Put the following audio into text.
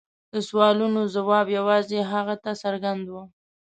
د سوالونو ځواب یوازې هغه ته څرګند و.